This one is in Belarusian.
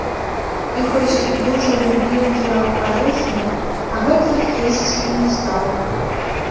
І хоць дужа любіў я арэхі, а гэтых есці не стаў.